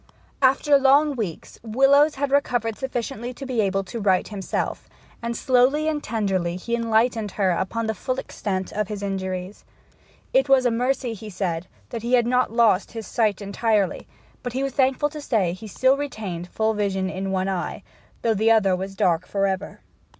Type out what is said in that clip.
After long weeks Willowes had recovered sufficiently to be able to write himself; and slowly and tenderly he enlightened her upon the full extent of his injuries. It was a mercy, he said, that he had not lost his sight entirely; but he was thankful to say that he still retained full vision in one eye, though the other was dark for ever.